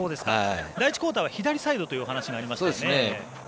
第１クオーターは左サイドという話がありましたね。